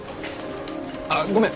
ああごめん